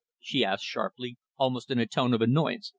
she asked sharply, almost in a tone of annoyance.